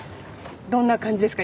どんな感じですか？